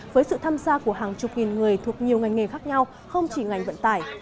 với sự tham gia của hàng chục nghìn người thuộc nhiều ngành nghề khác nhau không chỉ ngành vận tải